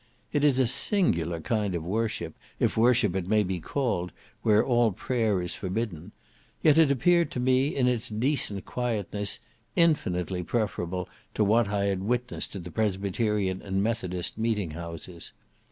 It is a singular kind of worship, if worship it may be called, where all prayer is forbidden; yet it appeared to me, in its decent quietness, infinitely preferable to what I had witnessed at the Presbyterian and Methodist Meeting houses.